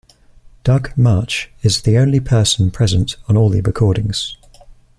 Doug Martsch is the only person present on all the recordings.